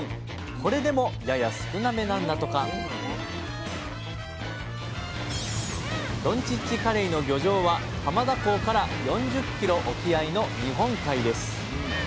これでもやや少なめなんだとかどんちっちカレイの漁場は浜田港から４０ｋｍ沖合の日本海です。